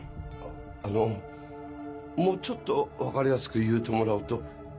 ああのもうちょっと分かりやすく言うてもらうと。